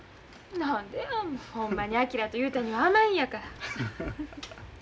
何でやほんまに昭と雄太には甘いんやから。